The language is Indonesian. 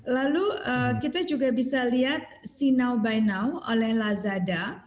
lalu kita juga bisa lihat si now by now oleh lazada